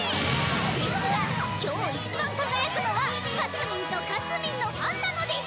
ですが今日一番輝くのはかすみんとかすみんのファンなのです！